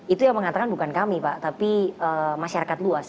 itu yang mengatakan bukan kami pak tapi masyarakat luas